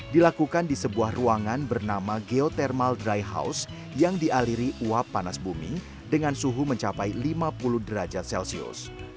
dilakukan di sebuah ruangan bernama geotermal dry house yang dialiri uap panas bumi dengan suhu mencapai lima puluh derajat celcius